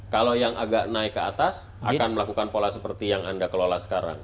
kalau yang agak naik ke atas akan melakukan pola seperti yang anda kelola sekarang